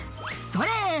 「それ」